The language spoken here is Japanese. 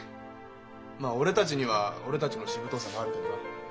まあ俺たちには俺たちのしぶとさがあるけどな。